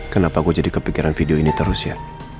kenapa gue jadi kepikiran video ini terus ya